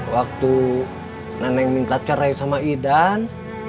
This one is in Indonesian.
waktu nenek minta cerai sama idan